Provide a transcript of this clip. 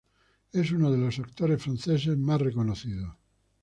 Es uno de los actores franceses más reconocidos.